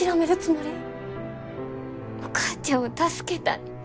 お母ちゃんを助けたい。